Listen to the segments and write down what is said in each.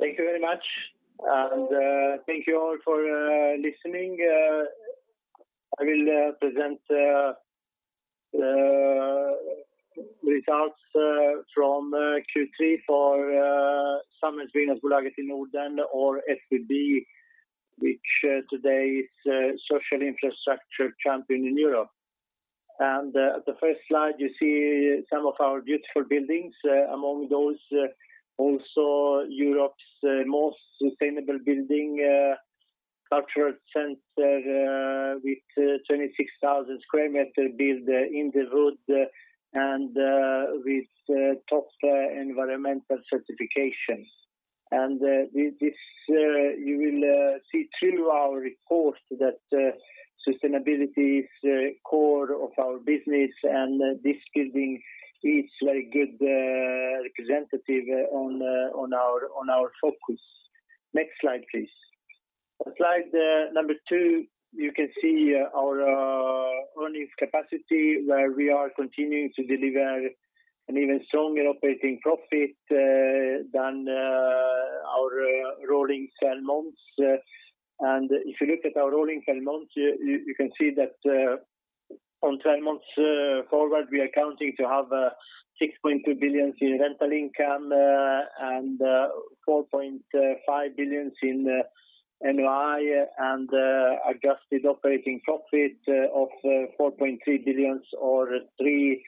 Thank you very much, and thank you all for listening. I will present results from Q3 for Samhällsbyggnadsbolaget i Norden or SBB, which today is a social infrastructure champion in Europe. The first slide you see some of our beautiful buildings. Among those, also Europe's most sustainable building cultural center with 26,000 sq m building in the north and with top environmental certification. You will see through our report that sustainability is core of our business, and this building is very good representative of our focus. Next slide, please. On slide number two, you can see our earnings capacity, where we are continuing to deliver an even stronger operating profit than our rolling three months. If you look at our rolling three months, you can see that, on three months forward, we are counting to have 6.2 billion in rental income, and 4.5 billion in NOI and adjusted operating profit of 4.3 billion or 3.04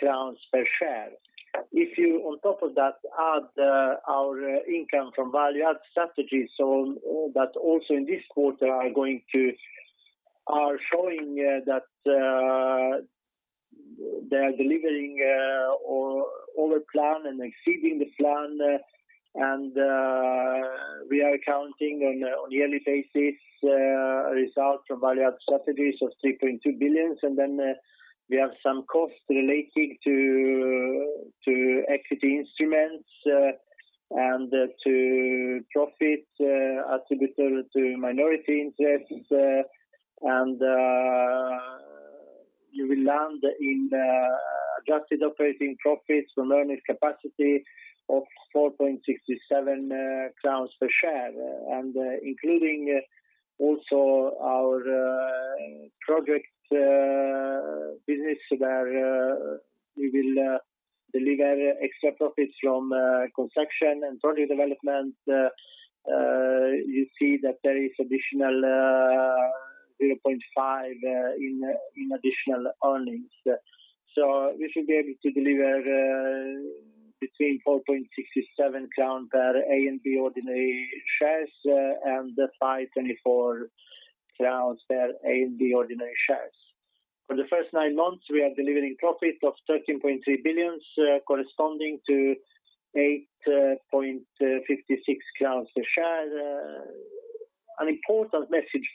crowns per share. If you, on top of that, add our income from value-add strategies on all that also in this quarter are showing that they are delivering over plan and exceeding the plan. We are counting on yearly basis result from value-add strategies of 3.2 billion. Then we have some costs relating to equity instruments and to profits attributable to minority interests. You will land in the adjusted operating profits from earnings capacity of 4.67 crowns per share. Including also our project business where we will deliver extra profits from construction and project development. You see that there is additional 0.5 in additional earnings. We should be able to deliver between 4.67 crown per A and B ordinary shares and 5.24 crowns per A and B ordinary shares. For the first nine months, we are delivering profit of 13.3 billion corresponding to 8.56 crowns per share. An important message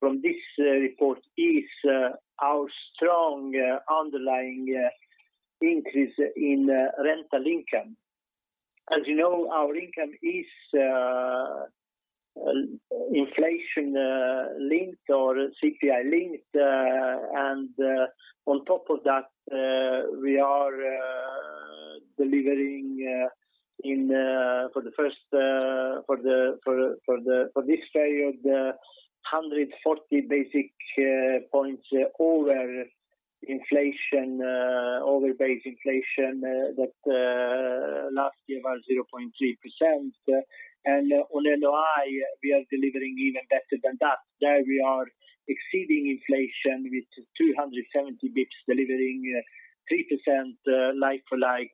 from this report is our strong underlying increase in rental income. As you know, our income is inflation linked or CPI linked. On top of that, we are delivering for this period 140 basis points over base inflation that last year was 0.3%. On NOI, we are delivering even better than that. There we are exceeding inflation with 270 basis points, delivering 3% like-for-like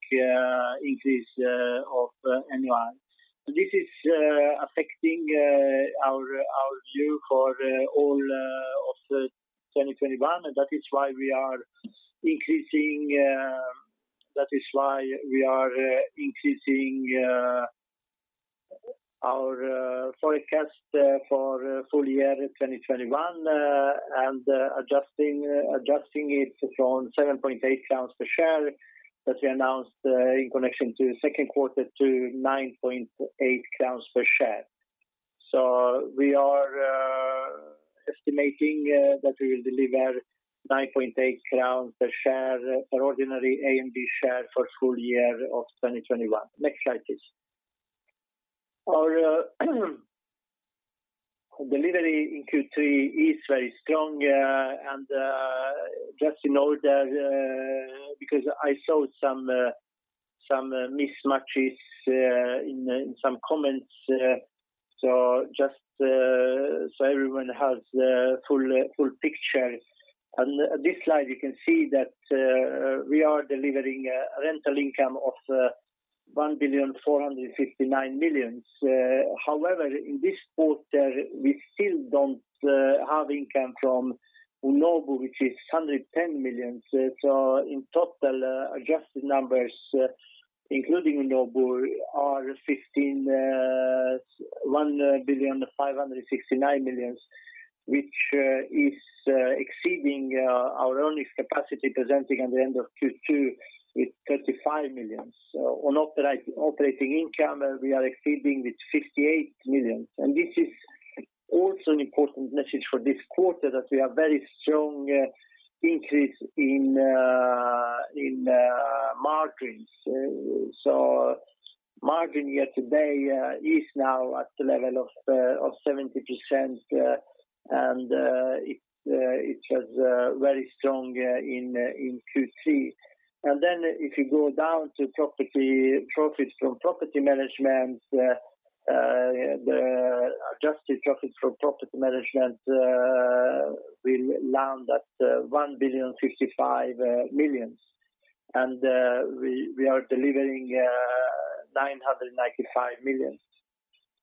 increase of NOI. This is affecting our view for all of 2021, and that is why we are increasing our forecast for full year 2021 and adjusting it from 7.8 crowns per share that we announced in connection to second quarter to 9.8 crowns per share. We are estimating that we will deliver 9.8 crowns per share or ordinary A and B share for full year of 2021. Next slide, please. Our delivery in Q3 is very strong just in order because I saw some mismatches in some comments so everyone has the full picture. On this slide, you can see that we are delivering a rental income of 1.459 billion. However, in this quarter, we still don't have income from Unobo, which is 110 million. In total, adjusted numbers including Unobo are 1.569 billion, which is exceeding our earnings capacity presented at the end of Q2 with 35 million. On operating income, we are exceeding with 58 million. This is also an important message for this quarter that we have very strong increase in margins. Margin year-to-date is now at the level of 70%, and it was very strong in Q3. Then if you go down to profits from property management, the adjusted profits from property management, we land at 1,055 million. We are delivering 995 million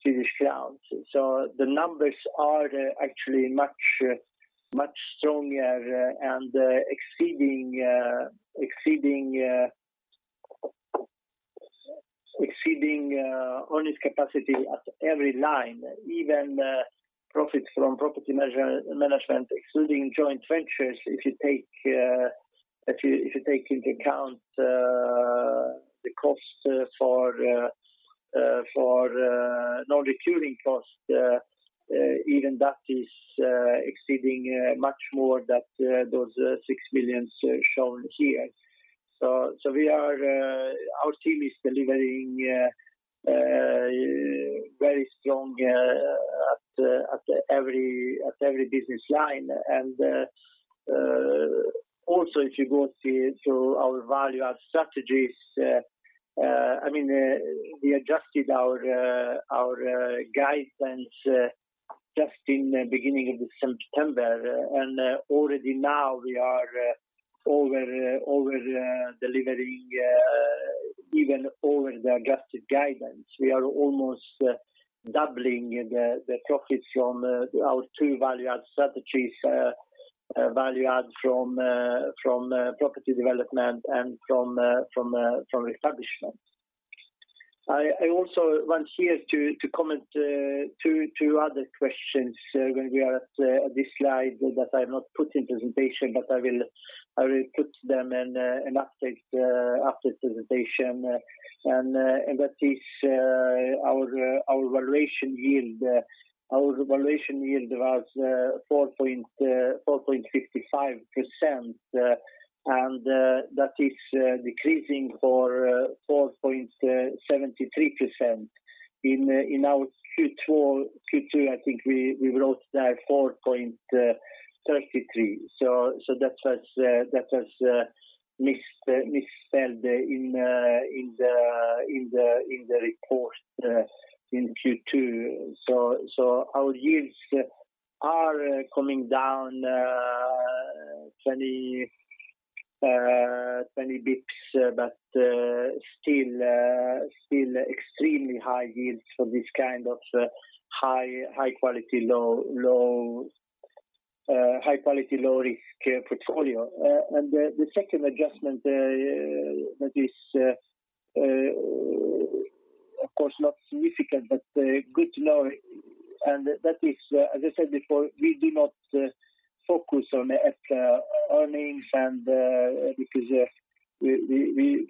Swedish crowns. The numbers are actually much stronger and exceeding earnings capacity at every line. Even profits from property management, excluding joint ventures, if you take into account the cost for non-recurring costs, even that is exceeding much more than those 6 million shown here. Our team is delivering very strong at every business line. Also if you go to our value add strategies, I mean, we adjusted our guidance just in beginning of September. Already now we are overdelivering even over the adjusted guidance. We are almost doubling the profits from our two value add strategies, value add from establishment. I also want here to comment to other questions when we are at this slide that I have not put in presentation, but I will put them in update after presentation. That is our valuation yield. Our valuation yield was 4.55%. That is decreasing for 4.73%. In our Q2, I think we wrote that 4.33%. That was misspelled in the report in Q2. Our yields are coming down 20 basis points, but still extremely high yields for this kind of high quality, low risk portfolio. The second adjustment that is, of course, not significant, but good to know, and that is, as I said before, we do not focus on EPRA earnings because we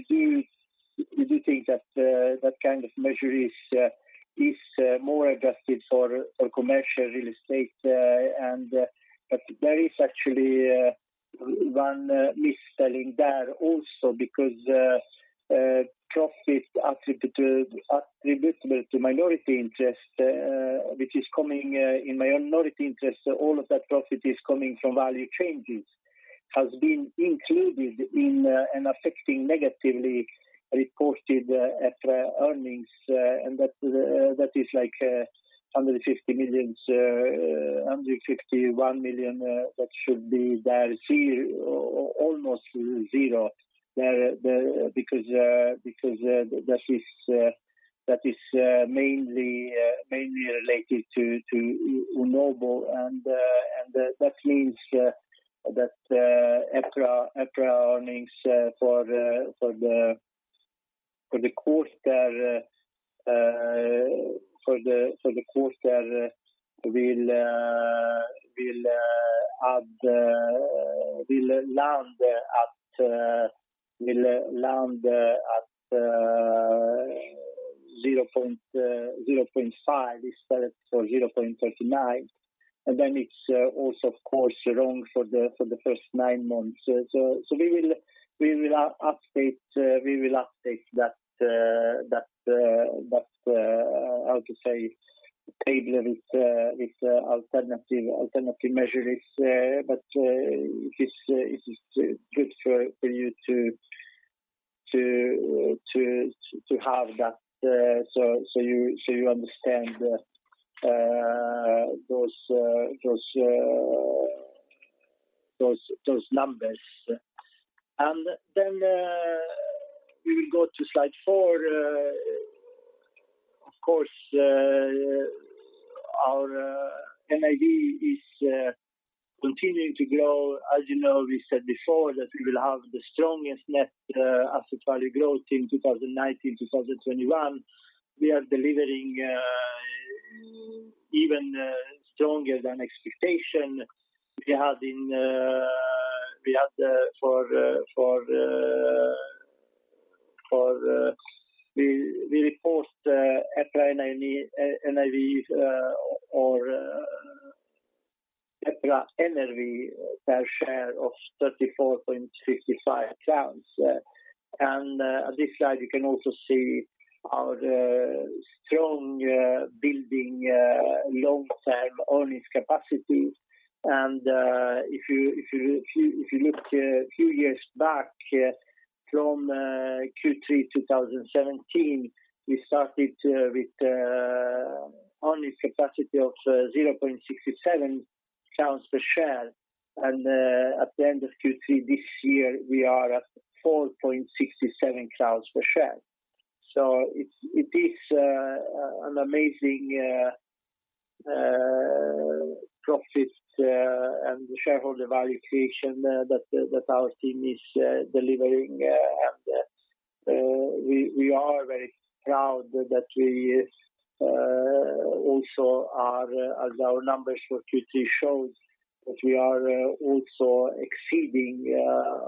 do think that kind of measure is more adjusted for commercial real estate, but there is actually one misspelling there also because profits attributable to minority interest, which is coming from minority interest, all of that profit is coming from value changes, has been included in and affecting negatively reported EPRA earnings. That is like 151 million, that should be there zero—almost zero there, because that is mainly related to Unobo and that means EPRA earnings for the quarter will land at 0.5 instead of 0.39. Then it's also of course wrong for the first nine months. We will update that table with alternative measures, but it's good for you to have that so you understand those numbers. We will go to slide four. Of course, our NAV is continuing to grow. As you know, we said before that we will have the strongest net asset value growth in 2019-2021. We are delivering even stronger than expectation. We report EPRA NRV or EPRA NAV per share of 34.55 crowns. On this slide, you can also see our strong building long-term earnings capacity. If you look a few years back from Q3 2017, we started with only capacity of SEK 0.67 per share. At the end of Q3 this year, we are at 4.67 crowns per share. It is an amazing profit and shareholder value creation that our team is delivering. We are very proud that we also are, as our numbers for Q3 shows, that we are also exceeding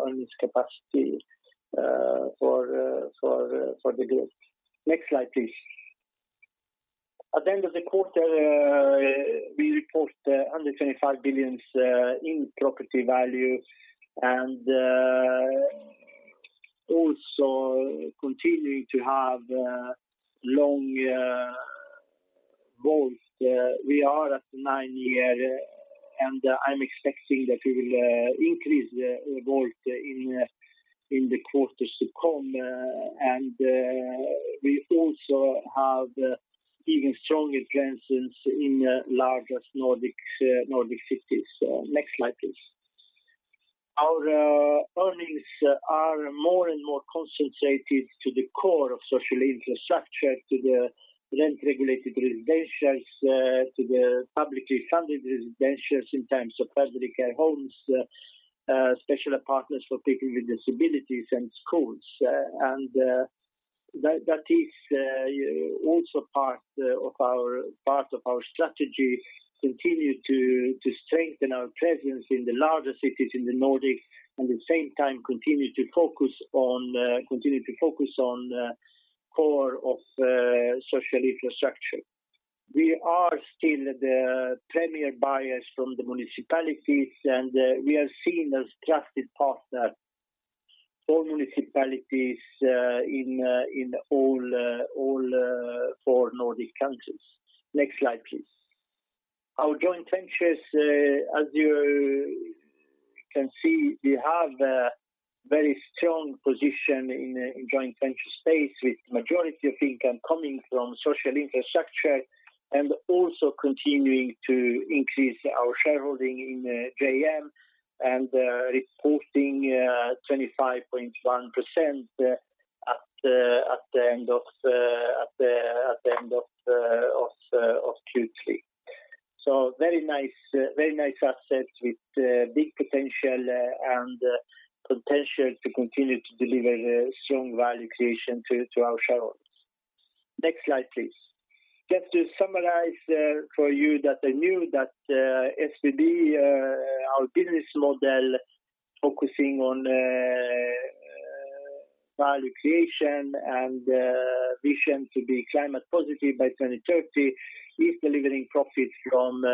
earnings capacity for the group. Next slide, please. At the end of the quarter, we report 125 billion in property value and also continuing to have long WAULT. We are at nine-year WAULT and I'm expecting that we will increase the WAULT in the quarters to come. We also have even stronger presence in largest Nordic cities. Next slide, please. Our earnings are more and more concentrated to the core of social infrastructure, to the rent-regulated residentials, to the publicly funded residentials in terms of public care homes, special apartments for people with disabilities and schools. That is also part of our strategy, continue to strengthen our presence in the larger cities in the Nordic, and at the same time, continue to focus on core of social infrastructure. We are still the premier buyers from the municipalities, and we are seen as trusted partner for municipalities in all four Nordic countries. Next slide, please. Our joint ventures, as you can see, we have a very strong position in a joint venture space with majority of income coming from social infrastructure and also continuing to increase our shareholding in JM and reporting 25.1% at the end of Q3. Very nice assets with big potential and potential to continue to deliver strong value creation to our shareholders. Next slide, please. Just to summarize for you that are new, SBB, our business model focusing on value creation and vision to be climate positive by 2030 is delivering profits from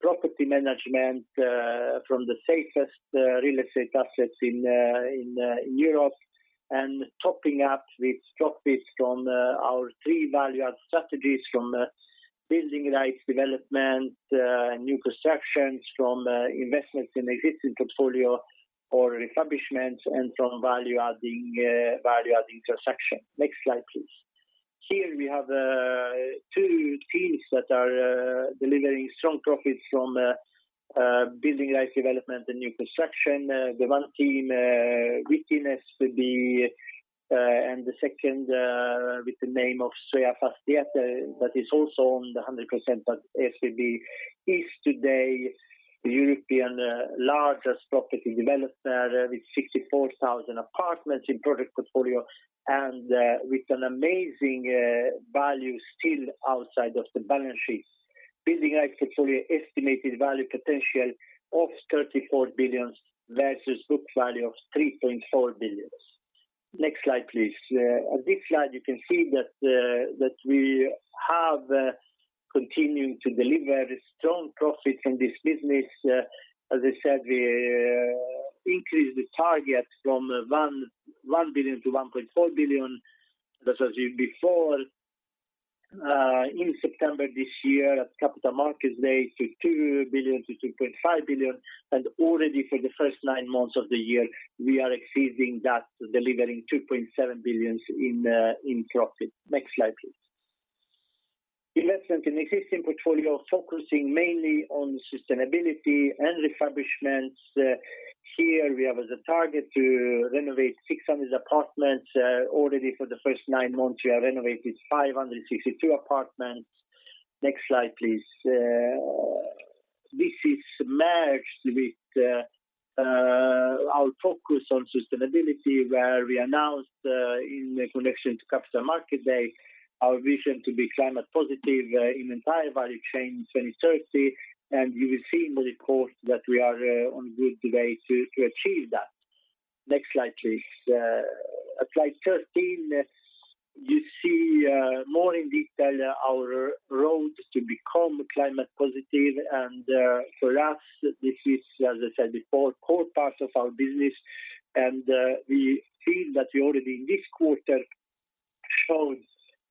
property management from the safest real estate assets in Europe, and topping up with profits from our three value-add strategies from building rights, development, new constructions from investments in existing portfolio or refurbishments and from value-adding transaction. Next slide, please. Here we have two teams that are delivering strong profits from building rights development and new construction. Ilija and team within SBB and the second with the name of Sveafastigheter that is also owned 100% by SBB is today Europe's largest property developer with 64,000 apartments in project portfolio and with an amazing value still outside of the balance sheet. Building rights portfolio estimated value potential of 34 billion versus book value of 3.4 billion. Next slide, please. On this slide, you can see that we have continued to deliver strong profits in this business. As I said, we increased the target from 1 billion to 1.4 billion. That was before in September this year at Capital Markets Day to 2 billion-2.5 billion. Already for the first nine months of the year, we are exceeding that, delivering 2.7 billion in profit. Next slide, please. Investment in existing portfolio, focusing mainly on sustainability and refurbishments. Here we have as a target to renovate 600 apartments. Already for the first nine months, we have renovated 562 apartments. Next slide, please. This is merged with our focus on sustainability, where we announced in connection to Capital Markets Day our vision to be climate positive in entire value chain in 2030. You will see in the report that we are on good way to achieve that. Next slide, please. At slide 13, you see more in detail our road to become climate positive. For us, this is, as I said before, core part of our business. We feel that we already in this quarter showed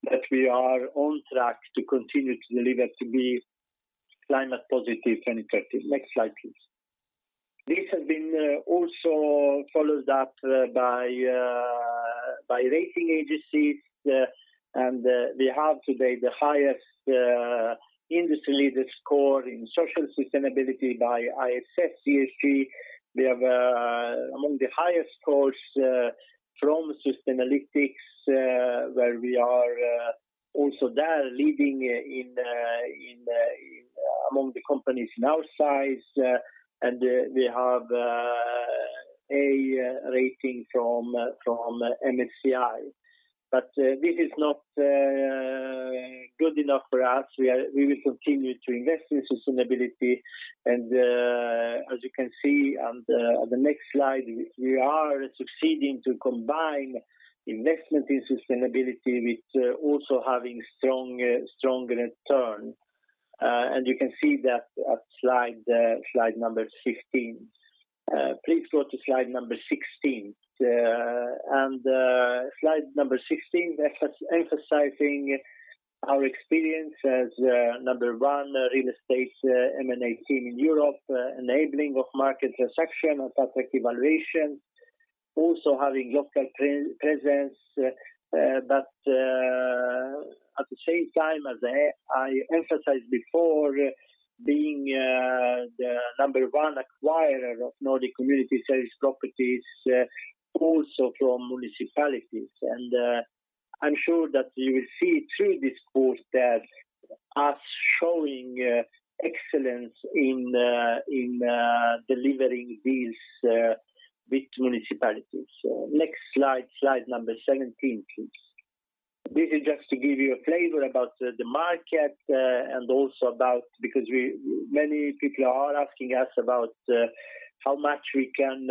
that we are on track to continue to deliver to be climate positive and effective. Next slide, please. This has been also followed up by rating agencies. We have today the highest industry-leading score in social sustainability by ISS ESG. We have among the highest scores from Sustainalytics, where we are also the leading in among the companies in our size. We have A rating from MSCI. This is not good enough for us. We will continue to invest in sustainability. As you can see on the next slide, we are succeeding to combine investment in sustainability with also having strong return. You can see that at slide number 15. Please go to slide number 16. Slide number 16 emphasizing our experience as number one real estate M&A team in Europe, enabling of market transaction and asset evaluation, also having local presence. But at the same time, as I emphasized before, being the number one acquirer of Nordic community service properties, also from municipalities. I'm sure that you will see through this course that us showing excellence in delivering these with municipalities. Next slide number 17, please. This is just to give you a flavor about the market and also about, because many people are asking us about how much we can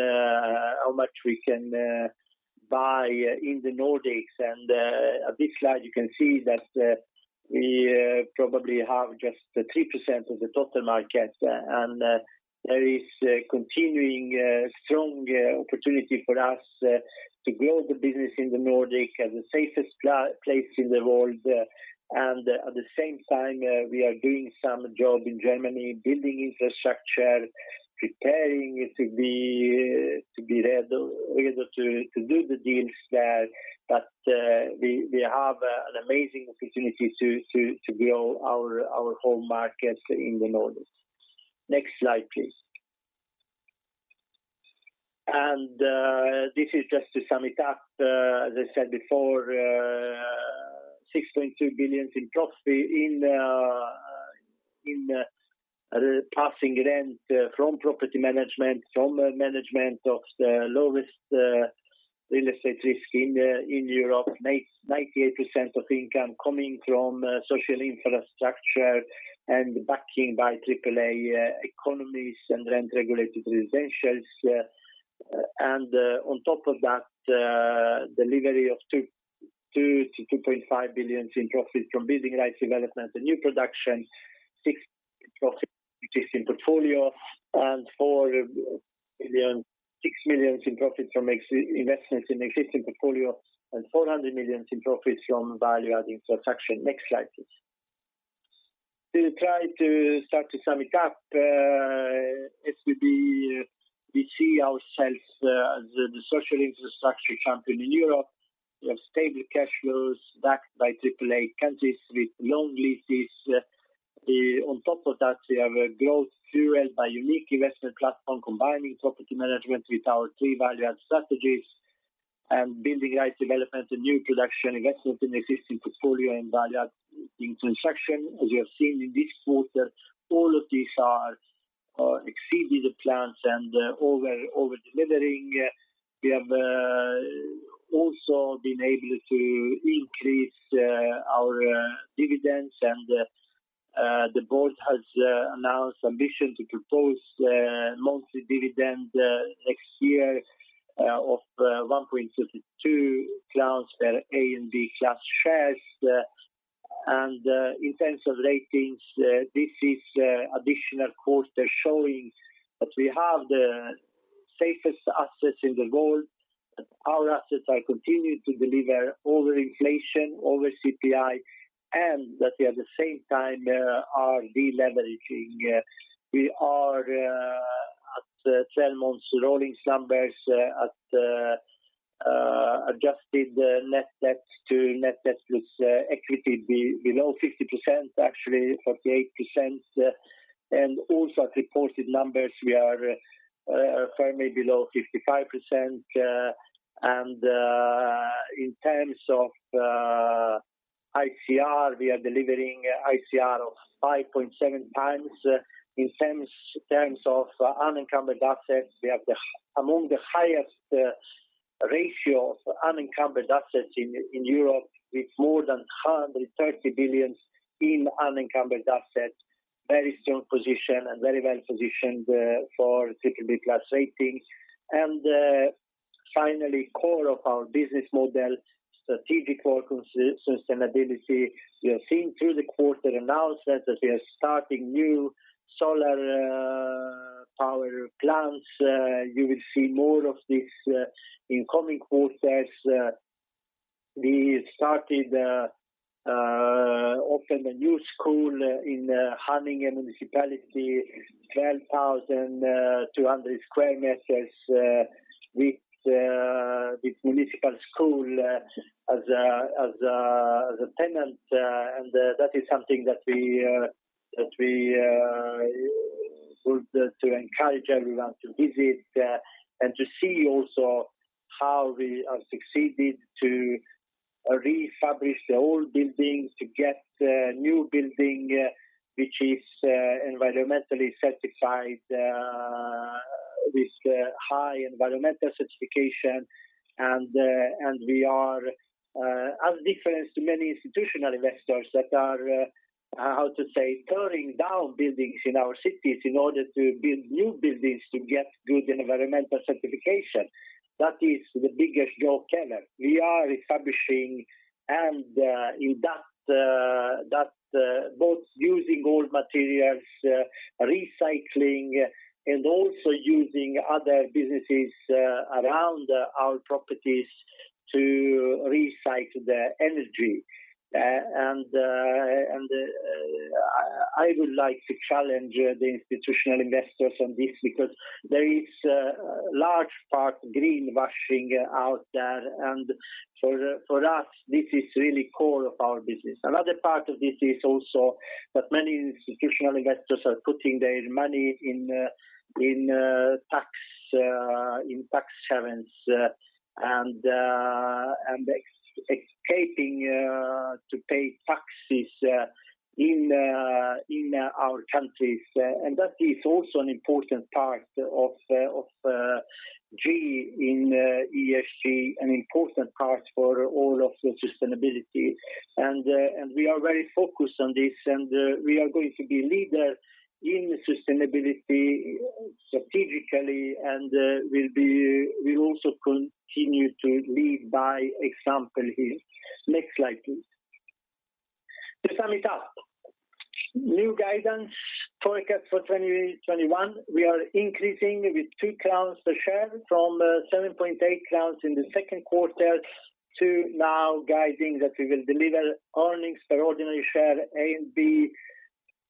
buy in the Nordics. At this slide, you can see that we probably have just the 3% of the total market. There is a continuing strong opportunity for us to grow the business in the Nordic as the safest place in the world. At the same time, we are doing some job in Germany, building infrastructure, preparing to be ready to do the deals there. We have an amazing opportunity to build our home market in the Nordics. Next slide, please. This is just to sum it up. As I said before, 6.2 billion in profit in passing rent from property management, from management of the lowest real estate risk in Europe. 99.8% of income coming from social infrastructure and backing by AAA economies and rent-regulated residentials. On top of that, delivery of 2 billion-2.5 billion in profit from building rights development and new production, 6 billion profit from existing portfolio, and 6 million in profit from existing investments in existing portfolio and 400 million in profit from value-adding transaction. Next slide, please. To try to start to sum it up, SBB, we see ourselves as the social infrastructure champion in Europe. We have stable cash flows backed by AAA countries with long leases. On top of that, we have a growth fueled by unique investment platform combining property management with our three value-add strategies and building rights development and new production, investment in existing portfolio and value-adding transaction. As you have seen in this quarter, all of these are exceeded the plans and over-delivering. We have also been able to increase our dividends. The board has announced ambition to propose monthly dividend next year of 1.32 A and B class shares. In terms of ratings, this is additional quarter showing that we have the safest assets in the world. Our assets are continuing to deliver over inflation, over CPI, and that we at the same time are de-leveraging. We are at 12 months rolling numbers at adjusted net debt to net debt plus equity below 50%, actually 48%. Also at reported numbers, we are firmly below 55%. In terms of ICR, we are delivering ICR of 5.7x. In terms of unencumbered assets, we are among the highest ratio for unencumbered assets in Europe with more than 130 billion in unencumbered assets. Very strong position and very well-positioned for BBB+ rating. Finally, core of our business model, strategic core sustainability. We have seen through the quarter announcements that we are starting new solar power plants. You will see more of this in coming quarters. We opened a new school in Haninge Municipality, 12,200 sq m, with municipal school as a tenant. That is something that we would to encourage everyone to visit and to see also how we have succeeded to refurbish the old buildings to get a new building, which is environmentally certified with high environmental certification. We are as difference to many institutional investors that are how to say tearing down buildings in our cities in order to build new buildings to get good environmental certification. That is the biggest joke ever. We are refurbishing and in that that both using old materials recycling and also using other businesses around our properties to recycle their energy. I would like to challenge the institutional investors on this because there is a large part greenwashing out there. For us, this is really core of our business. Another part of this is also that many institutional investors are putting their money in tax havens and escaping to pay taxes in our countries. That is also an important part of G in ESG, an important part for all of the sustainability. We are very focused on this, and we are going to be leader in sustainability strategically, and we'll also continue to lead by example here. Next slide, please. To sum it up, new guidance forecast for 2021, we are increasing with 2 crowns per share from 7.8 crowns in the second quarter to now guiding that we will deliver earnings per ordinary share A and B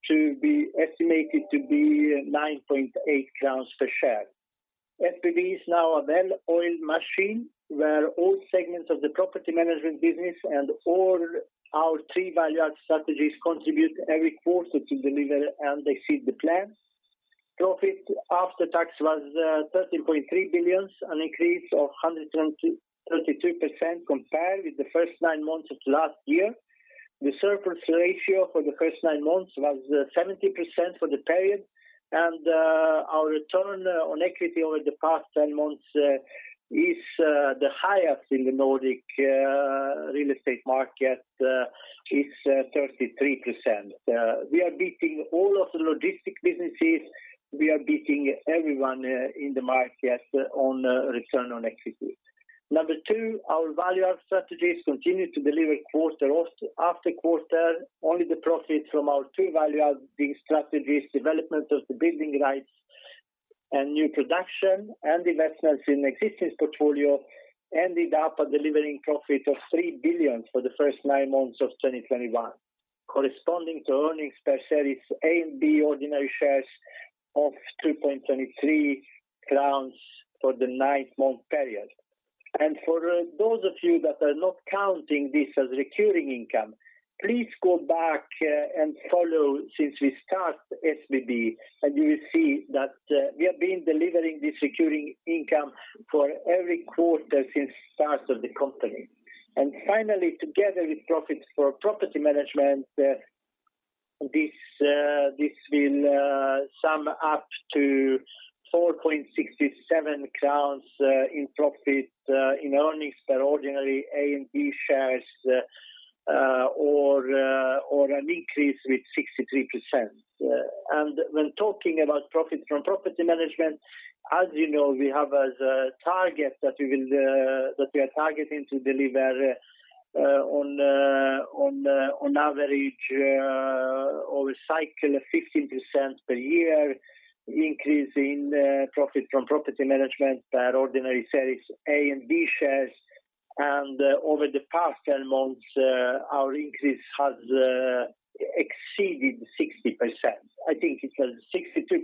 to be estimated to be 9.8 per share. SBB is now a well-oiled machine, where all segments of the property management business and all our three value-added strategies contribute every quarter to deliver and exceed the plan. Profit after tax was 13.3 billion, an increase of 133% compared with the first nine months of last year. The surplus ratio for the first nine months was 70% for the period. Our return on equity over the past 10 months is the highest in the Nordic real estate market is 33%. We are beating all of the logistics businesses. We are beating everyone, in the market on return on equity. Number two, our value add strategies continue to deliver quarter after quarter. All the profit from our two value add strategies, development of the building rights and new production, and investments in existing portfolio, ended up delivering profit of 3 billion for the first nine months of 2021, corresponding to earnings per shares A and B ordinary shares of 2.23 crowns for the nine-month period. For those of you that are not counting this as recurring income, please go back, and follow since we start SBB, and you'll see that, we have been delivering this recurring income for every quarter since start of the company. Finally, together with profits for property management, this will sum up to 4.67 crowns in profit in earnings per ordinary A and B shares, or an increase with 63%. When talking about profit from property management, as you know, we are targeting to deliver on average over cycle 15% per year increase in profit from property management per ordinary shares A and B shares. Over the past 10 months, our increase has exceeded 60%. I think it was 62%.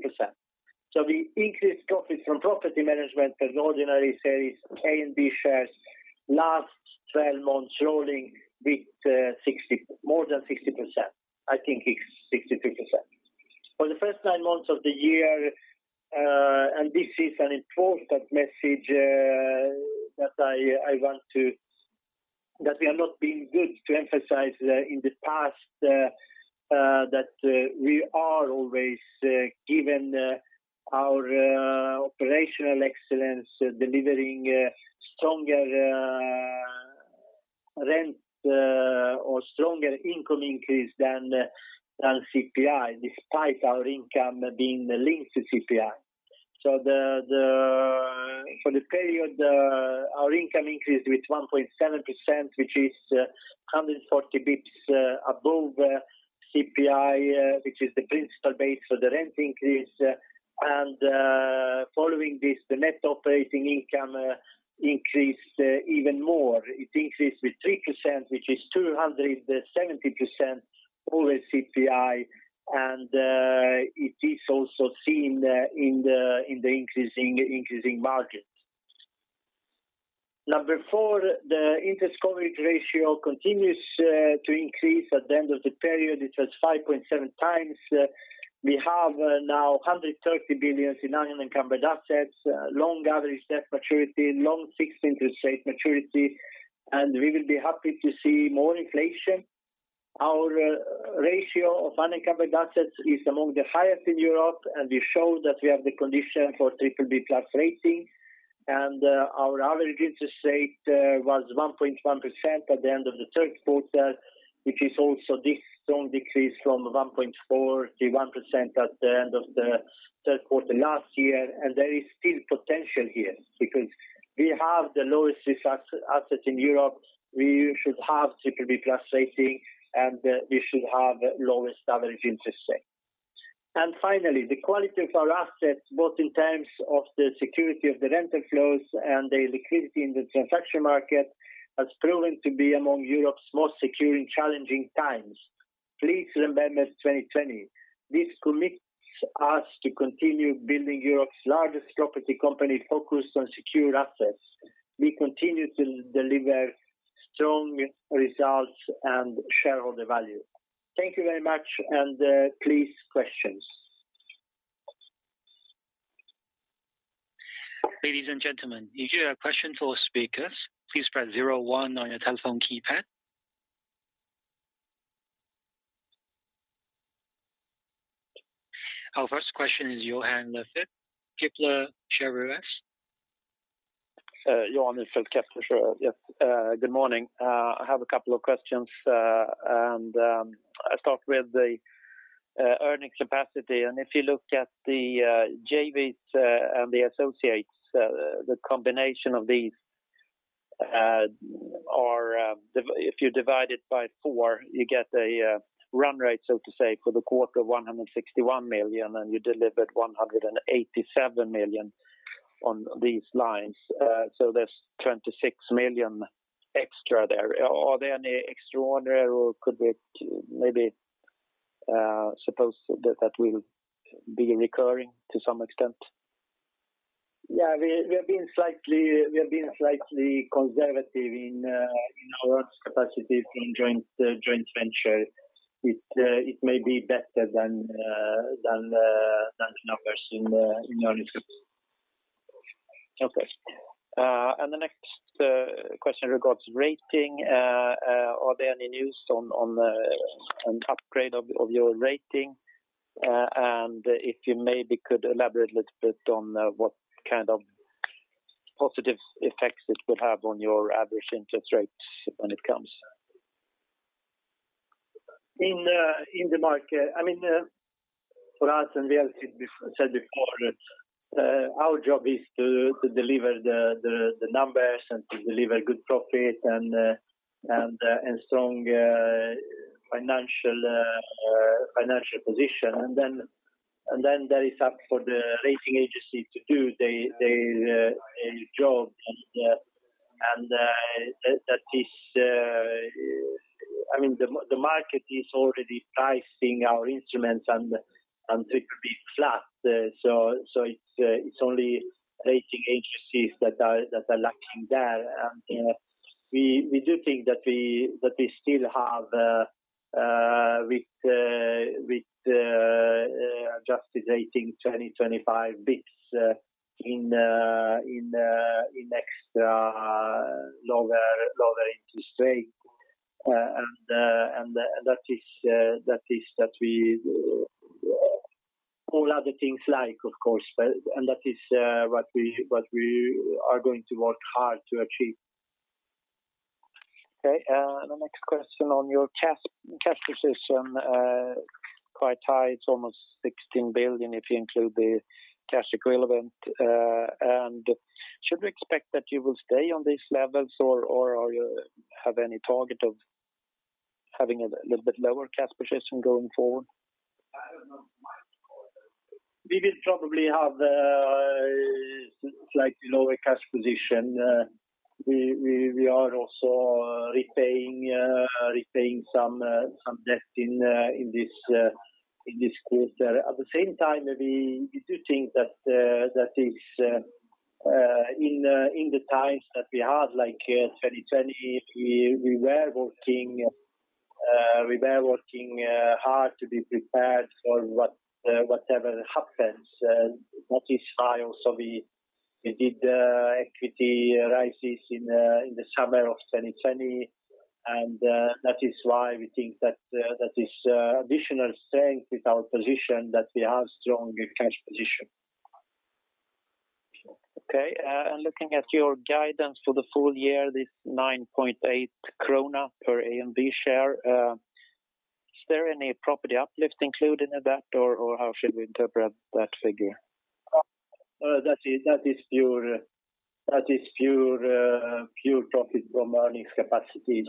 The increased profits from property management per ordinary shares A and B shares last 12 months rolling with more than 60%. I think it's 62%. For the first nine months of the year, and this is an important message, that we have not been good to emphasize in the past, that we are always given our operational excellence, delivering stronger rent or stronger income increase than CPI, despite our income being linked to CPI. For the period, our income increased with 1.7%, which is 140 basis points above CPI, which is the principal base for the rent increase. Following this, the net operating income increased even more. It increased with 3%, which is 270 basis points over CPI. It is also seen in the increasing margins. Number four, the interest coverage ratio continues to increase. At the end of the period, it was 5.7 times. We have now 130 billion in unencumbered assets, long average debt maturity, long fixed interest rate maturity, and we will be happy to see more inflation. Our ratio of unencumbered assets is among the highest in Europe, and we show that we have the condition for BBB+ rating. Our average interest rate was 1.1% at the end of the third quarter, which is also this strong decrease from 1.4% to 1% at the end of the third quarter last year. There is still potential here because we have the lowest risk assets in Europe. We should have BBB+ rating, and we should have lowest average interest rate. Finally, the quality of our assets, both in terms of the security of the rental flows and the liquidity in the transaction market, has proven to be among Europe's most secure in challenging times. Please remember 2020. This commits us to continue building Europe's largest property company focused on secure assets. We continue to deliver strong results and shareholder value. Thank you very much, and please questions. Our first question is Johan Sjöberg, Kepler Cheuvreux. Johan Sjöberg, Kepler Cheuvreux. Yes. Good morning. I have a couple of questions. I'll start with the earnings capacity. If you look at the JVs and the associates, the combination of these are. If you divide it by four, you get a run rate, so to say, for the quarter 161 million, and you delivered 187 million on these lines. So there's 26 million extra there. Are there any extraordinary or could it maybe suppose that that will be recurring to some extent? Yeah. We have been slightly conservative in our capacity in joint venture. It may be better than the numbers in the earlier groups. Okay. The next question regards rating. Are there any news on an upgrade of your rating? If you maybe could elaborate a little bit on what kind of positive effects it will have on your average interest rates when it comes? I mean, for us, we have said before that our job is to deliver the numbers and to deliver good profit and strong financial position. That is up for the rating agency to do their job. I mean, the market is already pricing our instruments and it could be flat. It's only rating agencies that are lacking there. You know, we do think that we still have with adjusted 18-20-25 basis point in an extra lower interest rate. That is what we are going to work hard to achieve. Okay. The next question on your cash position, quite high. It's almost 16 billion if you include the cash equivalent. Should we expect that you will stay on these levels or you have any target of having a little bit lower cash position going forward? We will probably have slightly lower cash position. We are also repaying some debt in this quarter. At the same time, we do think that is in the times that we had, like, 2020, we were working hard to be prepared for whatever happens. That is why also we did equity raises in the summer of 2020, and that is why we think that is additional strength with our position that we have strong cash position. Okay. Looking at your guidance for the full year, this 9.8 krona per A and B share, is there any property uplift included in that or how should we interpret that figure? That is pure profit from earnings capacity.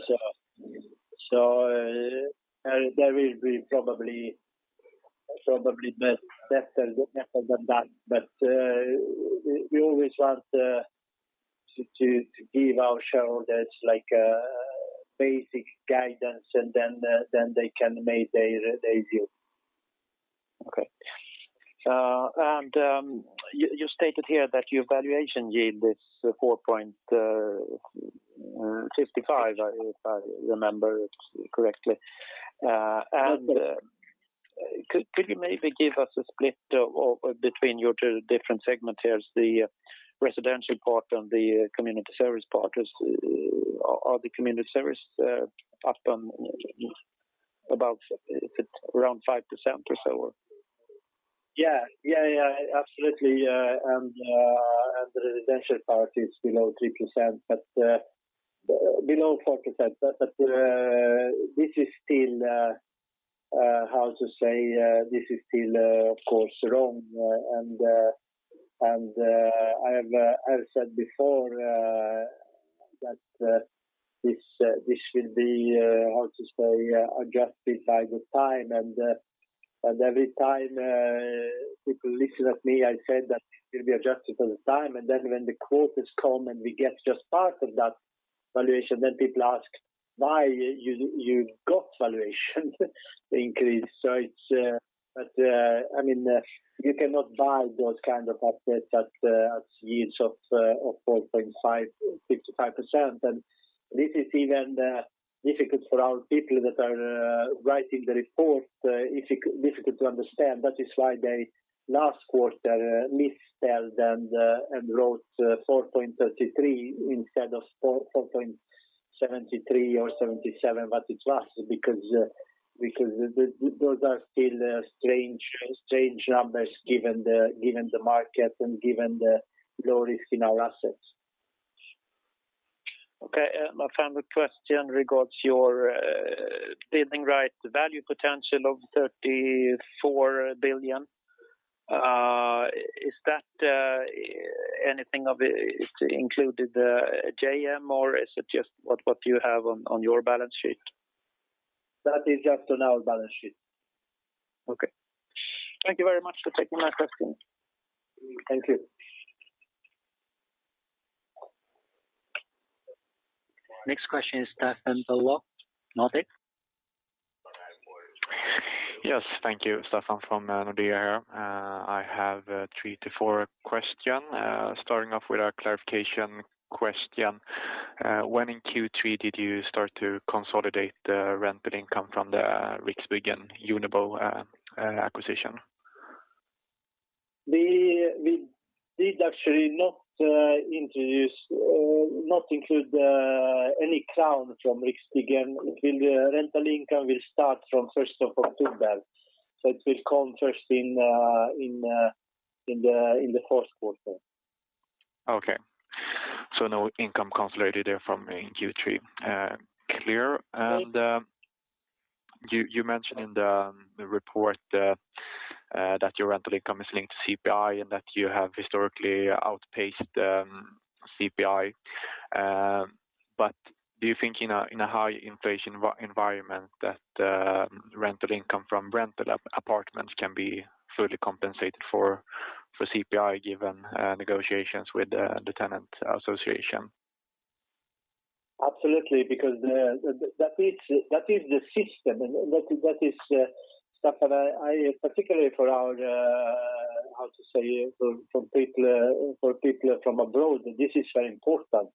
There will be probably better than that. We always want to give our shareholders like basic guidance and then they can make their view. Okay. You stated here that your valuation yield is 4.65% if I remember correctly. Could you maybe give us a split between your two different segment tiers, the residential part and the community service part? Are the community service around 5% or so? Yeah. Absolutely. The residential part is below 3%, but below 4%. This is still, of course, wrong. I've said before that this will be adjusted over time. Every time people listen to me, I said that it'll be adjusted over time. Then when the quote comes and we get just part of that valuation, then people ask, "Why you got valuation increase?" I mean, you cannot buy those kind of assets at yields of 4.5%-6.5%. This is even difficult for our people that are writing the report if it's difficult to understand. That is why they last quarter misspelled and wrote 4.33% instead of 4.73% or 4.77%. It's us because those are still strange numbers given the market and the low risk in our assets. Okay. My final question regards your building right value potential of 34 billion. Is that anything of it included JM or is it just what you have on your balance sheet? That is just on our balance sheet. Okay. Thank you very much for taking my question. Thank you. Next question is Staffan Bülow, Nordea. Yes. Thank you. Staffan from Nordea here. I have three to four questions, starting off with a clarification question. When in Q3 did you start to consolidate the rental income from the Riksbyggen Unobo acquisition? We did actually not include any account from Riksbyggen. Rental income will start from first of October. It will come first in the fourth quarter. Okay. No income consolidated there from in Q3. Clear. Yes. You mentioned in the report that your rental income is linked to CPI and that you have historically outpaced CPI. Do you think in a high inflation environment that rental income from rental apartments can't be fully compensated for CPI given negotiations with the tenant association? Absolutely. Because that is the system. That is stuff that I particularly for our how to say for people from abroad. This is very important.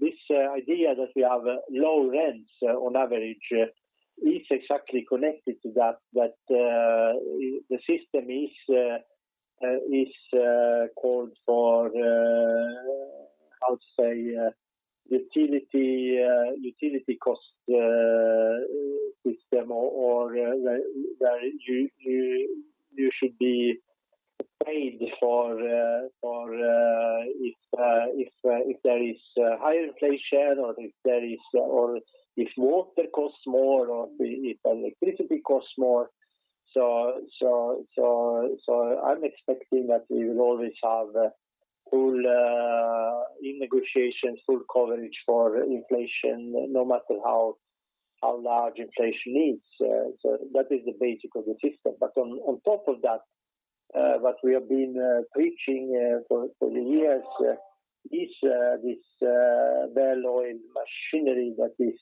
This idea that we have low rents on average is exactly connected to that, but the system is called how to say utility cost system or where you should be paid for if there is a high inflation or if water costs more or if electricity costs more. I'm expecting that we will always have full in negotiations full coverage for inflation no matter how large inflation is. That is the base of the system. On top of that, what we have been preaching for years is this underlying machinery that is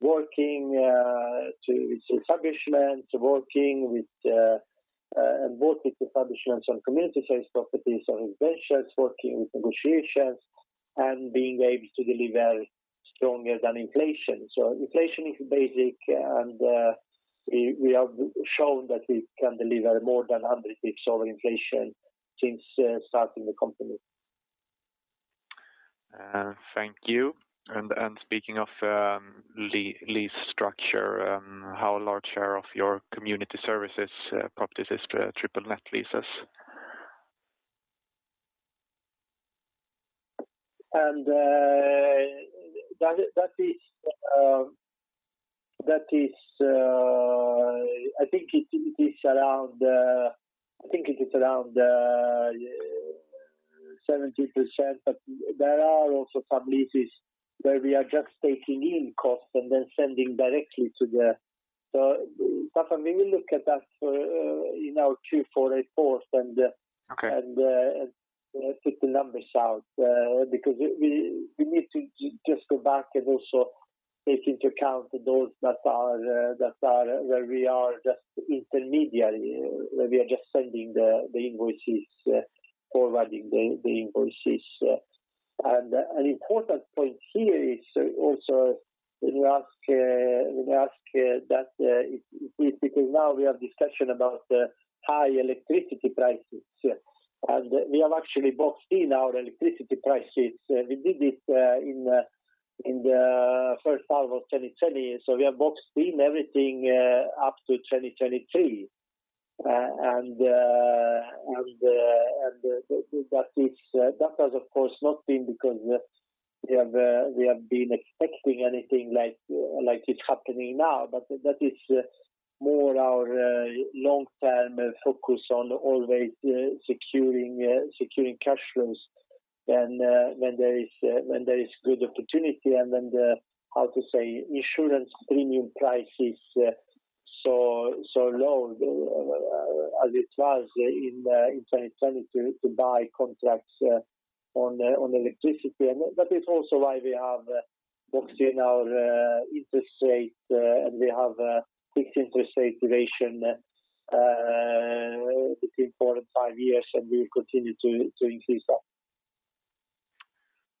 working to work with establishments on community service properties in its ventures, working with negotiations and being able to deliver stronger than inflation. Inflation is basic and we have shown that we can deliver more than 100 basis points over inflation since starting the company. Thank you. Speaking of lease structure, how large share of your community services properties is triple net leases? That is, I think it is around 70%, but there are also some leases where we are just taking in costs and then sending directly to the. So but I mean, we look at that in our Q4 report and- Okay. ...put the numbers out because we need to just go back and also take into account those that are where we are just intermediary, where we are just sending the invoices, forwarding the invoices. An important point here is also when you ask that because now we have discussion about the high electricity prices. We have actually boxed in our electricity prices. We did it in the first half of 2020. So we have boxed in everything up to 2023. That has of course not been because we have been expecting anything like it's happening now, but that is more our long-term focus on always securing cash flows when there is good opportunity and when the insurance premium price is so low as it was in 2020 to buy contracts on electricity. that is also why we have locked in our interest rate and we have a fixed interest rate duration between four and five years, and we will continue to increase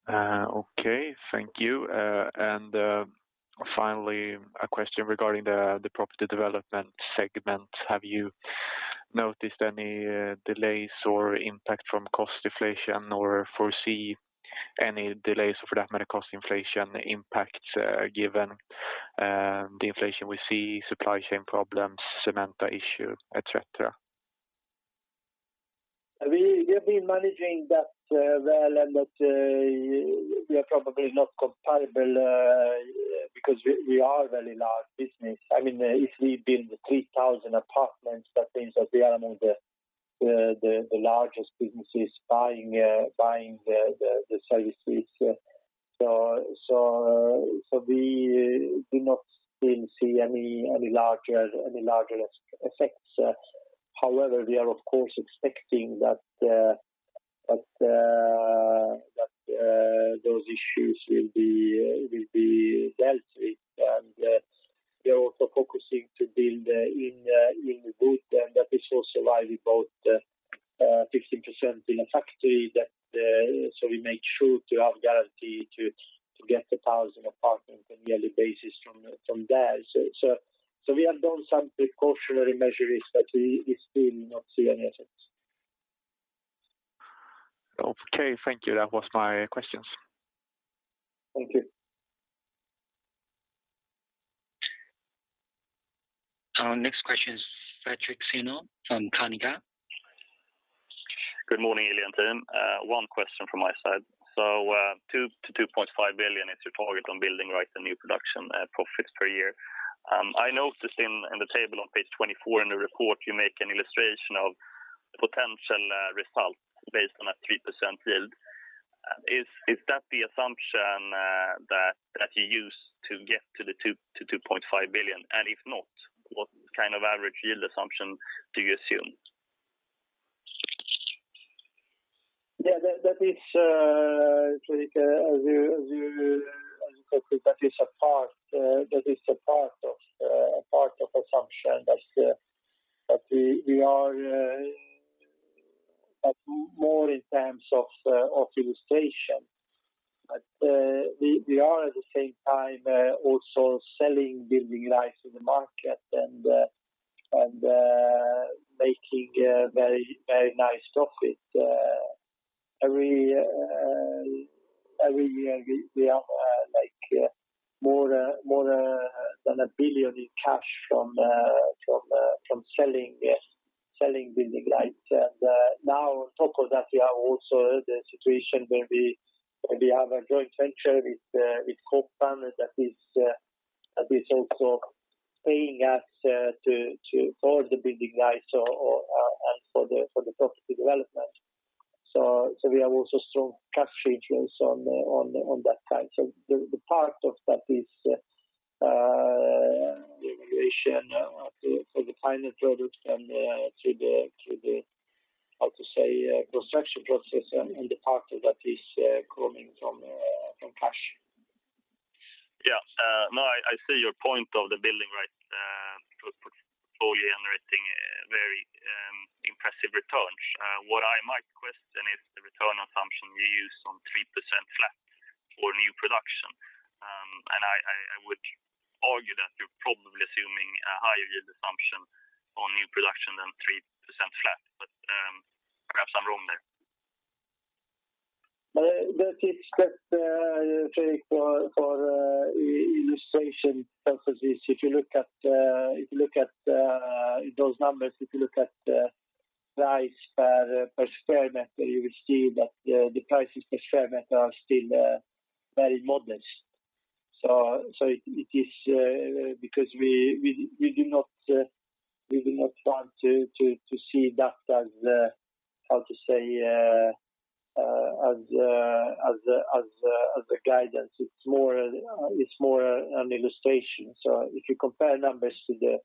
that. Okay. Thank you. Finally, a question regarding the property development segment. Have you noticed any delays or impact from cost inflation or foresee any delays for that matter, cost inflation impacts, given the inflation we see, supply chain problems, cement issue, et cetera? We have been managing that, but we are probably not comparable because we are very large business. I mean, if we build 3,000 apartments, that means that we are one of the largest businesses buying the service fees. We do not still see any larger effects. However, we are of course expecting that those issues will be dealt with. We are also focusing to build in wood, and that is also why we bought 15% in a factory so we make sure to have guarantee to get 1,000 apartments on yearly basis from there. We have done some precautionary measures, but we still not see any effects. Okay. Thank you. That was my questions. Thank you. Our next question is Fredric Cyon from Carnegie. Good morning, Ilija and team. One question from my side. 2 billion-2.5 billion is your target on building right the new production profits per year. I noticed in the table on page 24 in the report, you make an illustration of potential results based on a 3% yield. Is that the assumption that you use to get to the 2 billion-2.5 billion? If not, what kind of average yield assumption do you assume? Yeah. That is, like, as you put it, that is a part of assumption that we are more in terms of illustration. We are at the same time also selling building rights in the market and making very nice profit. Every year we have like more than 1 billion in cash from selling building rights. Now on top of that, we have also the situation where we have a joint venture with Kåpan that is also paying us to acquire the building rights or for the property development. We have also strong cash flows on that side. The part of that is for the final product and through the, how to say, construction process and the part that is coming from cash. Yeah. No, I see your point about the building, right, portfolio generating very impressive returns. What I might question is the return assumption we use on 3% flat for new production. I would argue that you're probably assuming a higher yield assumption on new production than 3% flat, but perhaps I'm wrong there. That is, take that for illustration purposes. If you look at those numbers. If you look at the price per sq m, you will see that the prices per sq m are still very modest. It is because we do not want to see that as, how to say, as a guidance. It's more an illustration. If you compare numbers to the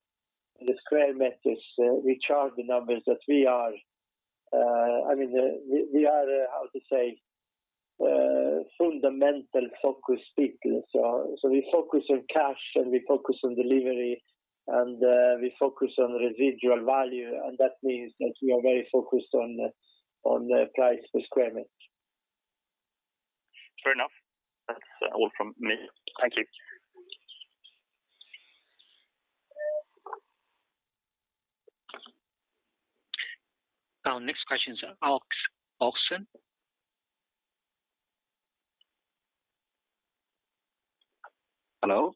sq m, which are the numbers that we are, I mean, we are, how to say, fundamental-focused people. We focus on cash, and we focus on delivery, and we focus on residual value, and that means that we are very focused on the price per sq m. Fair enough. That's all from me. Thank you. Our next question is Alex Onica. Hello?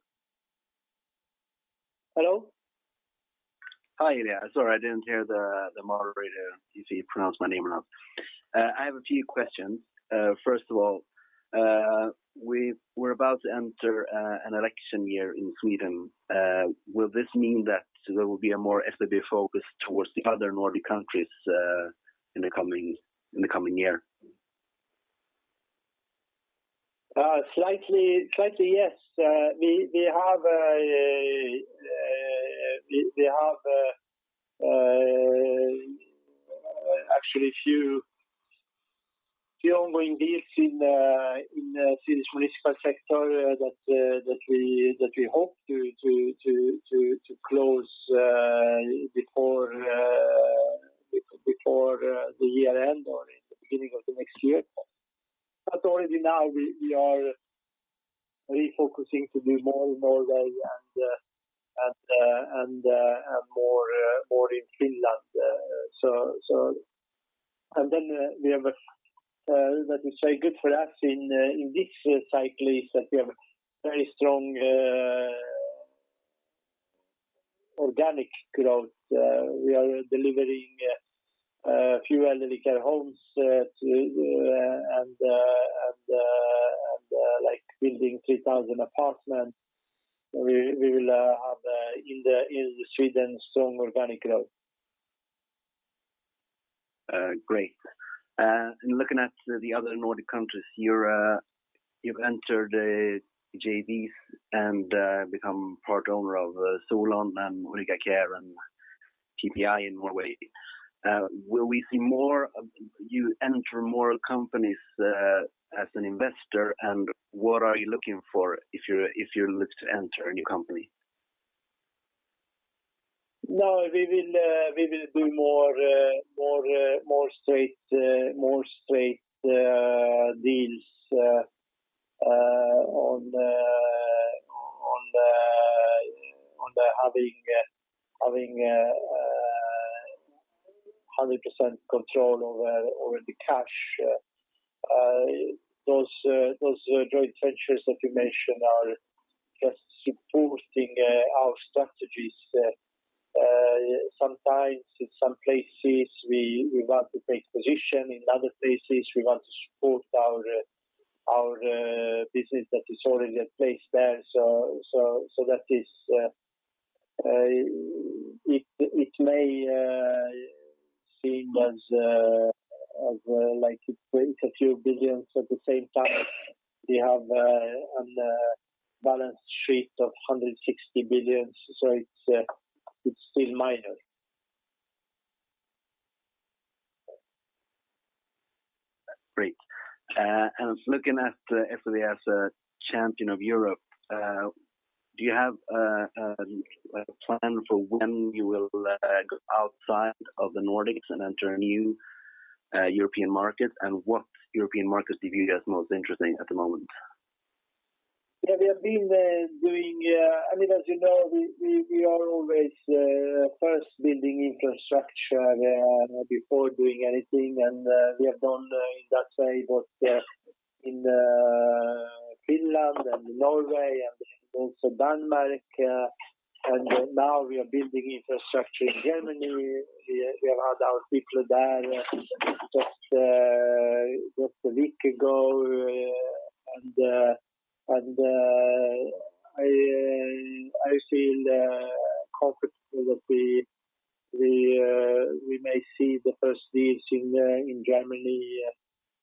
Hello. Hi there. Sorry, I didn't hear the moderator if he pronounced my name or not. I have a few questions. First of all, we're about to enter an election year in Sweden. Will this mean that there will be a more SBB focus towards the other Nordic countries in the coming year? Slightly, yes. We have actually a few ongoing deals in the Swedish municipal sector that we hope to close before the year-end or in the beginning of the next year. Already now we are refocusing to do more in Norway and more in Finland. We have a, let me say, good for us in this cycle is that we have very strong organic growth. We are delivering a few elderly care homes too, and like building 3,000 apartments. We will have in Sweden strong organic growth. Great. In looking at the other Nordic countries, you've entered JVs and become part owner of Solon Eiendom Care and PPI in Norway. Will we see more of you enter more companies as an investor? What are you looking for if you're looking to enter a new company? No, we will do more straight deals on having 100% control over the cash. Those joint ventures that you mentioned are just supporting our strategies. Sometimes in some places we want to take position. In other places, we want to support our business that is already in place there. That is, it may seem as if like it's a few billion SEK. At the same time, we have on the balance sheet 160 billion. So it's still minor. Great. Looking at SBB as a champion of Europe, do you have a plan for when you will go outside of the Nordics and enter a new European market? What European markets do you view as most interesting at the moment? Yeah, we have been doing. I mean, as you know, we are always first building infrastructure before doing anything. We have done in that way both in Finland and Norway and also Denmark. Now we are building infrastructure in Germany. We had our people there just a week ago. I feel comfortable that we may see the first deals in Germany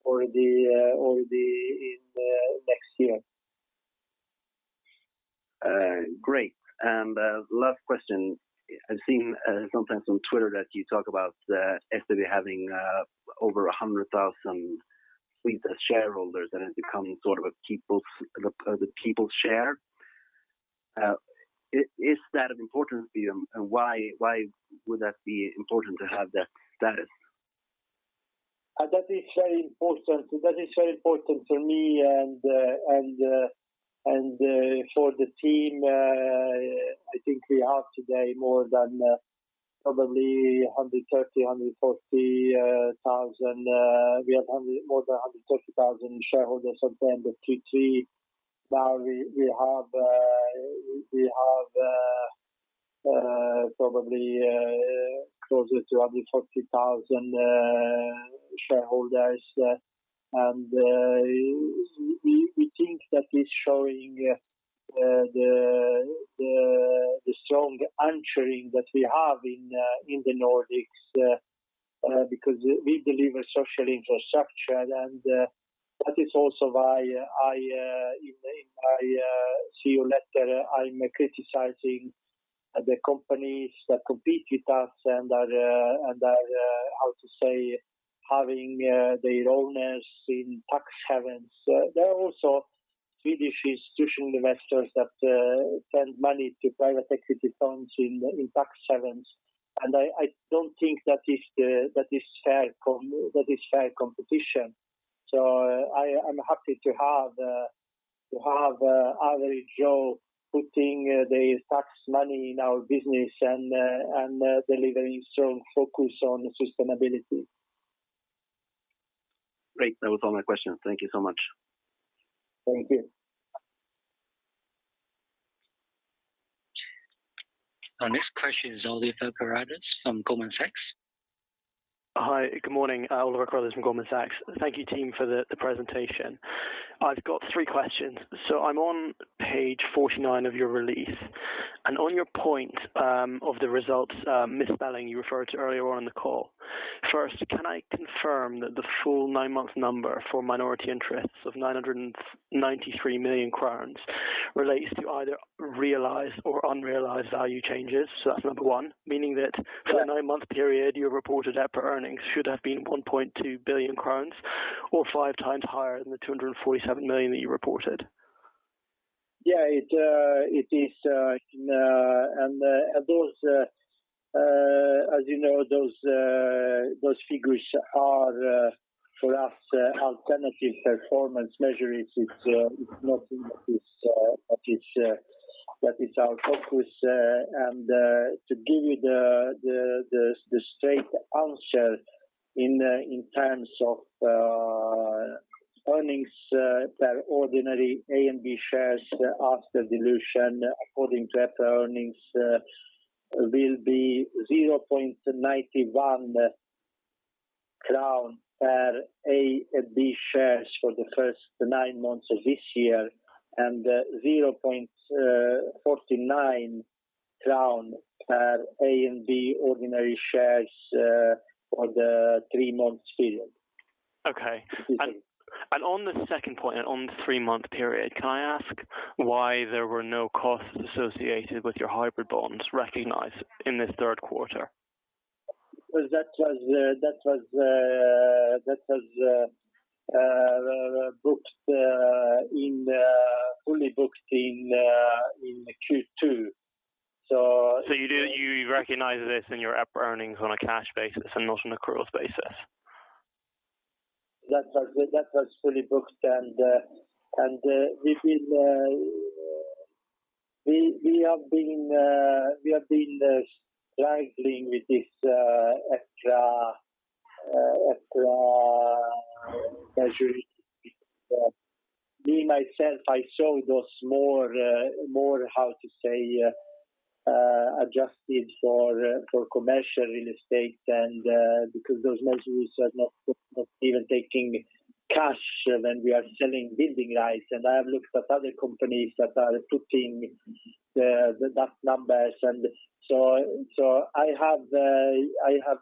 already in next year. Great. Last question. I've seen sometimes on Twitter that you talk about SBB having over 100,000 Swedes as shareholders, and it become sort of the people's share. Is that important for you and why would that be important to have that status? That is very important. That is very important for me and for the team. We had more than 130,000 shareholders at the end of Q3. Now we have probably closer to 140,000 shareholders. We think that is showing the strong anchoring that we have in the Nordics because we deliver social infrastructure and that is also why I, in my CEO letter, am criticizing the companies that compete with us and are having their owners in tax havens. There are also Swedish institutional investors that send money to private equity firms in tax havens. I don't think that is fair competition. I'm happy to have average Joe putting the tax money in our business and delivering strong focus on sustainability. Great. That was all my questions. Thank you so much. Thank you. Our next question is Oliver Carruthers from Goldman Sachs. Hi, good morning. Oliver Carruthers from Goldman Sachs. Thank you team for the presentation. I've got three questions. I'm on page 49 of your release. On your point of the results, impairment you referred to earlier on the call. First, can I confirm that the full nine-month number for minority interests of 993 million crowns relates to either realized or unrealized value changes? That's number one. Meaning that- Yeah. For the nine-month period, your reported EPRA earnings should have been 1.2 billion crowns or five times higher than the 247 million that you reported. Yeah. It is. Those, as you know, figures are for us, alternative performance measures. It's nothing that is our focus. To give you the straight answer in terms of earnings per ordinary A and B shares after dilution according to EPRA earnings will be 0.91 crown per A and B shares for the first nine months of this year, and 0.49 crown per A and B ordinary shares for the three-month period. Okay. Mm-hmm. On the second point, on the three-month period, can I ask why there were no costs associated with your hybrid bonds recognized in this third quarter? Because that was fully booked in Q2. You recognize this in your EPRA earnings on a cash basis and not on accrual basis? That was fully booked. We've been struggling with this extra measure. I saw those more adjusted for commercial real estate because those measures are not even taking cash, and then we are selling building rights. I have looked at other companies that are putting those numbers. I have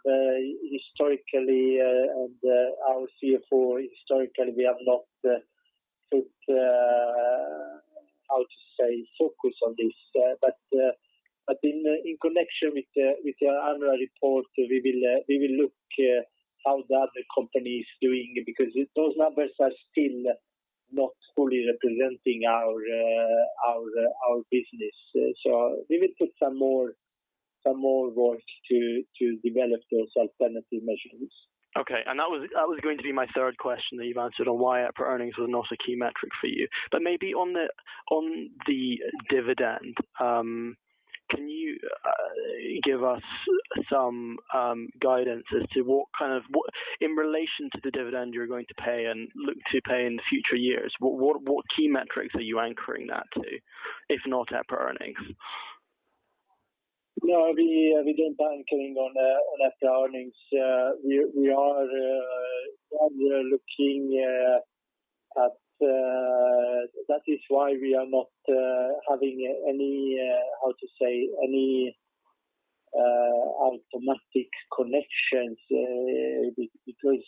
historically, and our CFO historically, we have not put focus on this. In connection with the annual report, we will look how the other company is doing because those numbers are still not fully representing our business. We will put some more work to develop those alternative measures. Okay. That was going to be my third question that you've answered on why EPRA earnings were not a key metric for you. Maybe on the dividend, can you give us some guidance as to, in relation to the dividend you're going to pay and look to pay in the future years, what key metrics are you anchoring that to, if not EPRA earnings? No, we don't plan anchoring on EPRA earnings. We are rather looking at. That is why we are not having any, how to say, any automatic connections, because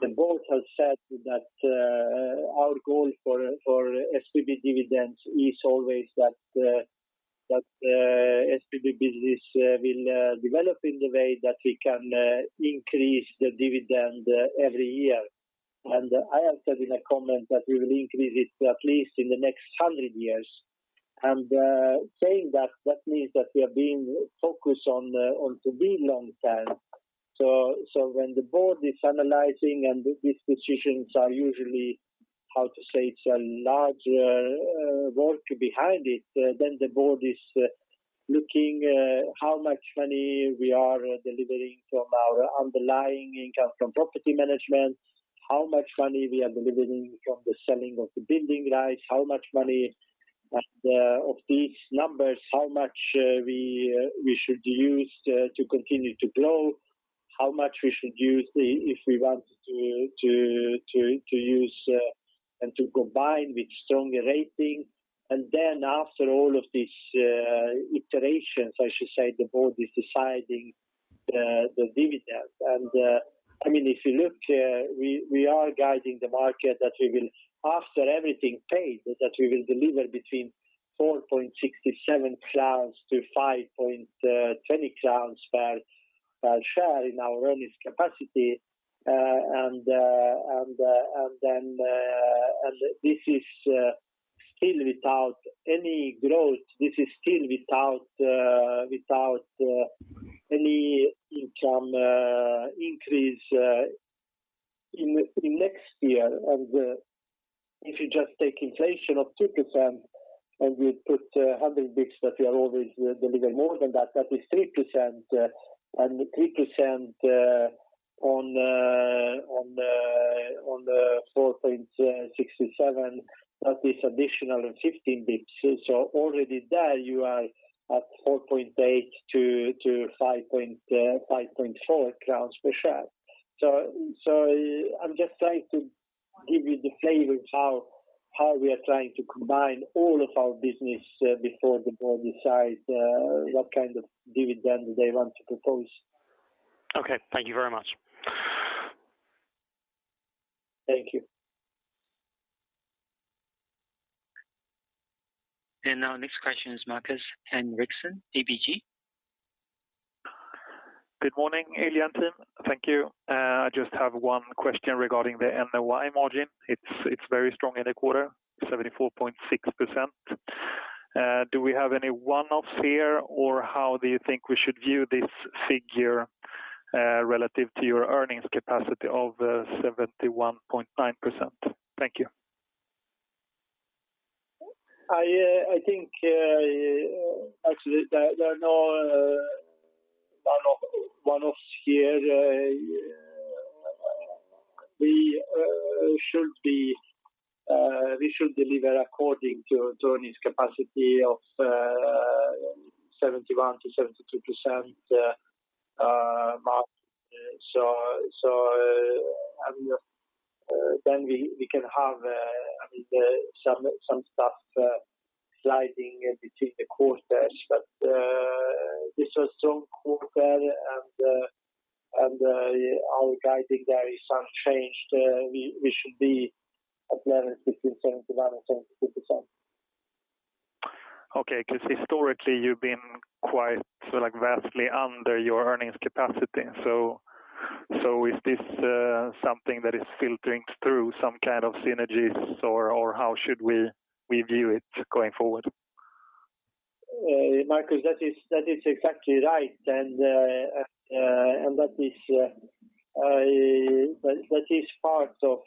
the board has said that our goal for SBB dividends is always that SBB business will develop in the way that we can increase the dividend every year. I answered in a comment that we will increase it at least in the next 100 years. Saying that means that we are being focused on to be long-term. When the board is analyzing and these decisions are usually, how to say, it's a large work behind it, then the board is looking how much money we are delivering from our underlying income from property management. How much money we are delivering from the selling of the building rights, how much money. Of these numbers, how much we should use to continue to grow, how much we should use if we want to use and to combine with stronger rating. After all of these iterations, I should say, the board is deciding the dividend. I mean, if you look, we are guiding the market that we will, after everything paid, that we will deliver between 4.67-5.20 crowns per share in our earnings capacity. This is still without any growth. This is still without any income increase in next year. If you just take inflation of 2% and we put 100 basis points that we are always deliver more than that is 3%. 3% on the 4.67, that is additional 15 basis points. Already there you are at 4.8-5.4 crowns per share. I'm just trying to give you the flavor of how we are trying to combine all of our business before the board decides what kind of dividend they want to propose. Okay. Thank you very much. Thank you. Now next question is Markus Henriksson, ABG Sundal Collier. Good morning, Ilija and team. Thank you. I just have one question regarding the NOI margin. It's very strong in the quarter, 74.6%. Do we have any one-offs here? Or how do you think we should view this figure relative to your earnings capacity of 71.9%? Thank you. I think actually there are no one-offs here. We should deliver according to earnings capacity of 71%-72%, Markus. I mean, then we can have some stuff sliding between the quarters. This was strong quarter and our guidance there is unchanged. We should be at 71%-72%. Okay. Because historically you've been quite, like, vastly under your earnings capacity. Is this something that is filtering through some kind of synergies? Or how should we view it going forward? Markus, that is exactly right. That is part of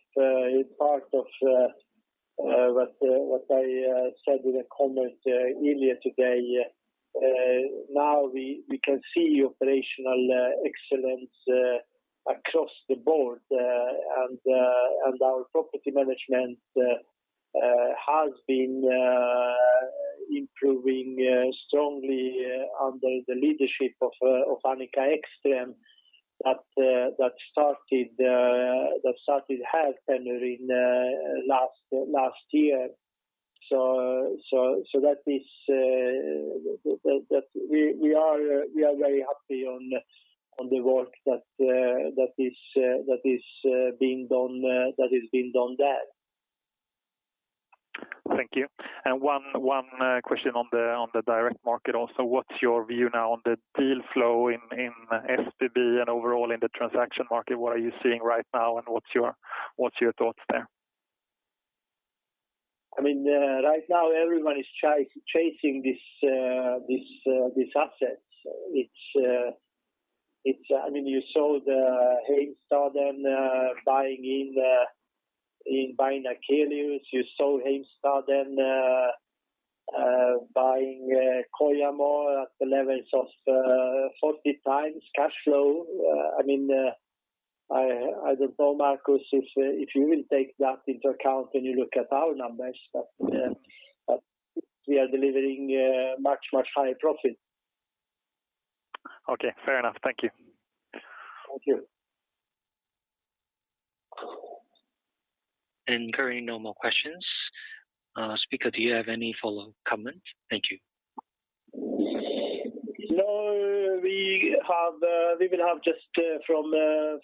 what I said in a comment earlier today. Now we can see operational excellence across the board. Our property management has been improving strongly under the leadership of Annika Ekström that started her tenure in last year. That we are very happy about the work that is being done there. Thank you. One question on the direct market also. What's your view now on the deal flow in SBB and overall in the transaction market? What are you seeing right now, and what's your thoughts there? I mean, right now everybody's chasing this asset. I mean, you saw the Heimstaden buying Akelius. You saw Heimstaden buying Kojamo more at the levels of 40x cash flow. I mean, I don't know, Markus, if you will take that into account when you look at our numbers. But we are delivering much higher profit. Okay, fair enough. Thank you. Thank you. Currently no more questions. Speaker, do you have any follow-up comments? Thank you. No, we will have just from the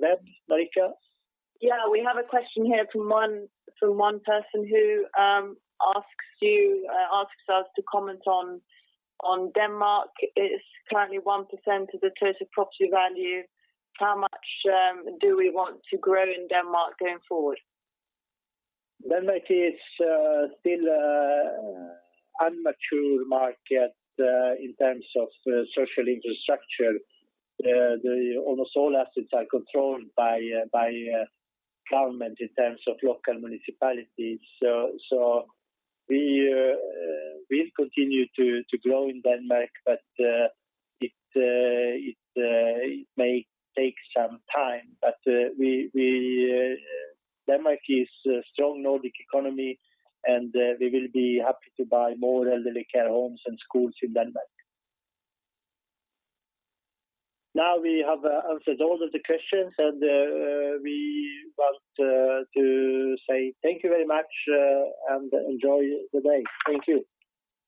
web. Marika? Yeah. We have a question here from one person who asks us to comment on Denmark. It's currently 1% of the total property value. How much do we want to grow in Denmark going forward? Denmark is still an immature market in terms of social infrastructure. Almost all assets are controlled by government in terms of local municipalities. We'll continue to grow in Denmark, but it may take some time. Denmark is a strong Nordic economy, and we will be happy to buy more elderly care homes and schools in Denmark. Now we have answered all of the questions, and we want to say thank you very much, and enjoy the day. Thank you.